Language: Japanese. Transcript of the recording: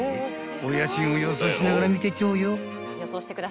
［お家賃を予想しながら見てちょうよ］